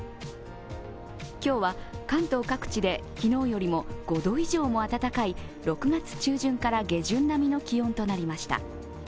今日は関東各地で昨日よりも５度以上も暖かい６月中旬から下旬並みの気温となりました。